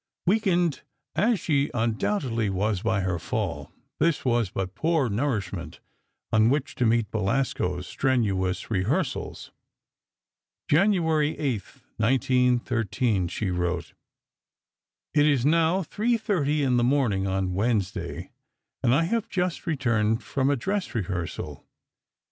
Weakened as she undoubtedly was by her fall, this was but poor nourishment on which to meet Belasco's strenuous rehearsals. January 8 (1913), she wrote: It is now 3:30 in the morning of Wednesday, and I have just returned from a dress rehearsal.